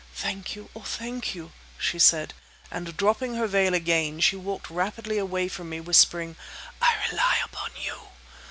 "Thank you—oh, thank you!" she said; and dropping her veil again she walked rapidly away from me, whispering, "I rely upon you.